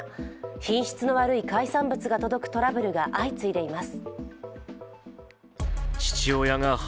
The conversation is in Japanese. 品質の悪い海産物が届くトラブルが相次いでいます。